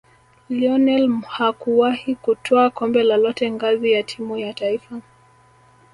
lionel mhakuwahi kutwaa kombe lolote ngazi ya timu ya taifa